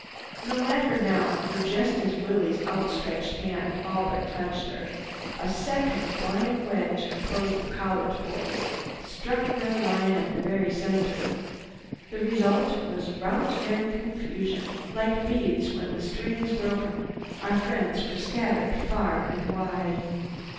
No matter now, for, just as Willie's outstretched hand all but touched her, a second flying wedge composed of college boys struck their line at the very center. The result was rout and confusion. Like beads when the string is broken, our friends were scattered far and wide.